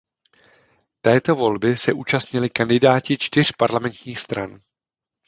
Této volby se účastnili kandidáti čtyř parlamentních stran.